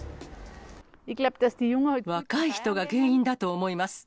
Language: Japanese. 若い人が原因だと思います。